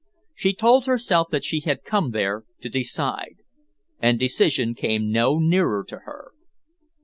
She told herself that she had come there to decide, and decision came no nearer to her.